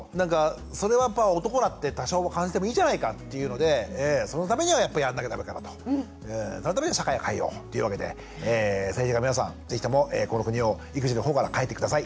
それは男だって多少感じてもいいじゃないかっていうのでそのためにはやっぱりやんなきゃダメかなとそのためには社会を変えようっていうわけで政治家の皆さん是非ともこの国を育児のほうから変えて下さい。